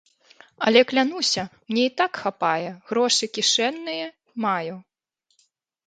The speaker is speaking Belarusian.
Але клянуся, мне і так хапае, грошы кішэнныя маю.